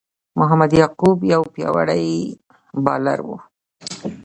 محمد یعقوب یو پياوړی بالر وو.